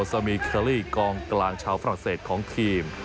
ซามีเคอรี่กองกลางชาวฝรั่งเศสของทีม